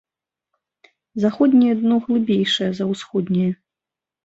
Заходняе дно глыбейшае за усходняе.